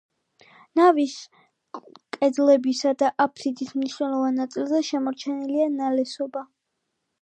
ნავის კედლებისა და აფსიდის მნიშვნელოვან ნაწილზე შემორჩენილია ნალესობა.